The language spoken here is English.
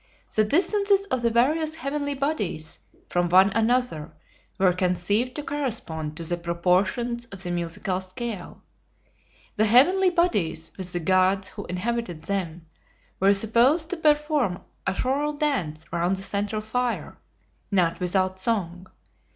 The distances of the various heavenly bodies from one another were conceived to correspond to the proportions of the musical scale. The heavenly bodies, with the gods who inhabited them, were supposed to perform a choral dance round the central fire, "not without song."